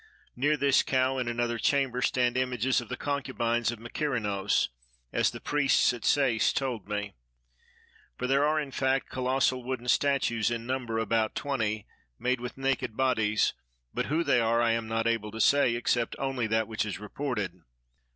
Near this cow in another chamber stand images of the concubines of Mykerinos, as the priests at Sais told me; for there are in fact colossal wooden statues, in number about twenty, made with naked bodies; but who they are I am not able to say, except only that which is reported.